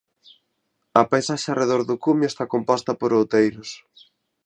A paisaxe arredor do cumio está composta por outeiros.